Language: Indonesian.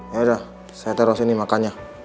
yaudah saya taruh sini makannya